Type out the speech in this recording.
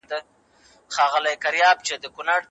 د روغتیا لپاره مېوه مهمه ده.